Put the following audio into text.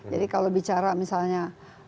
jadi kalau bicara misalnya